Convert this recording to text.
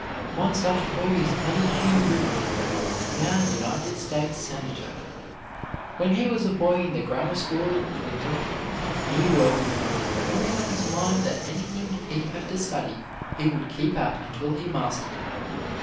One such boy is Elihu Root, now United States Senator. When he was a boy in the grammar school at Clinton, New York, he made up his mind that anything he had to study he would keep at until he mastered it.